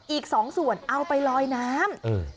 อีกสองส่วนเอาไปลอยน้ำอืม